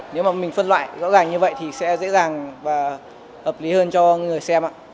nếu mà mình phân loại rõ ràng như vậy thì sẽ dễ dàng và hợp lý hơn cho người xem ạ